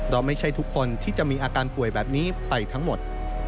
ไม่ใช่ทุกคนที่จะมีอาการป่วยแบบนี้ไปทั้งหมด